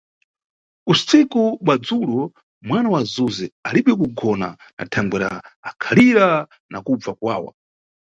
Usiku bwa dzulo, mwana wa Zuze alibe kugona na thangwera ankhalira na kubva kuwawa.